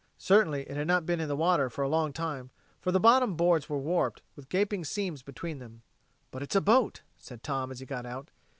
Certainly it had not been in the water for a long time, for the bottom boards were warped, with gaping seams between them. "But it's a boat," said Tom, as he got out.